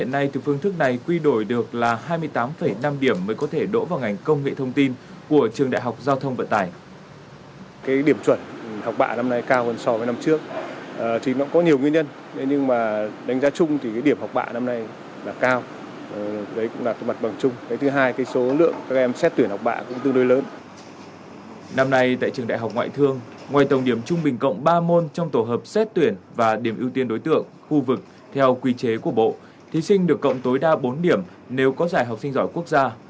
năm nay tại trường đại học ngoại thương ngoài tổng điểm trung bình cộng ba môn trong tổ hợp xét tuyển và điểm ưu tiên đối tượng khu vực theo quy chế của bộ thí sinh được cộng tối đa bốn điểm nếu có giải học sinh giỏi quốc gia